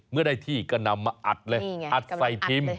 เมื่อได้ที่ก็นำมาอัดเลยอัดใส่พิมพ์